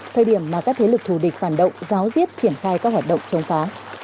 thời điểm mà các thế lực thù địch phản động giáo diết triển khai các hoạt động chống phá